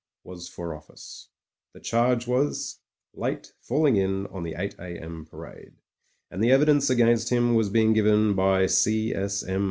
was for office. The charge was "Late falling in on the 8 a.m. parade," and the evidence against him was being given by C. S. M.